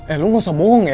eh lu gak usah bohong ya